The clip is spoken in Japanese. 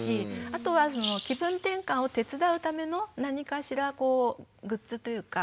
あとは気分転換を手伝うための何かしらグッズというか。